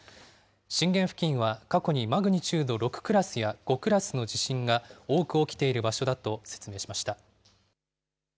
震源付近は過去にマグニチュード６クラスや５クラスの地震が多く起きている場所だと説明しました。